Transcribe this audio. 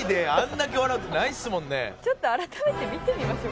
ちょっと改めて見てみましょう。